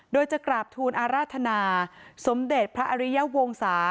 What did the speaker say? โดยจะกราบทูลอาราธนาสมเด็จพระอริยวงศา